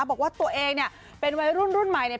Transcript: บอกว่าตัวเองเป็นวัยรุ่นใหม่